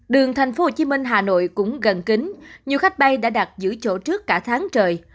đường tp hcm hà nội cũng gần kính nhiều khách bay đã đặt giữ chỗ trước cả tháng trời